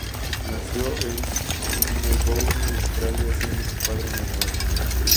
Nació en Melbourne, Australia, siendo su padre un abogado.